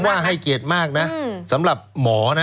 ว่าให้เกียรติมากนะสำหรับหมอนะ